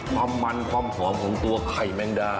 ความมันความหอมของตัวไข่แมงดา